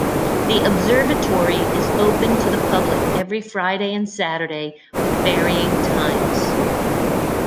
The Observatory is open to the public every Friday and Saturday, with varying times.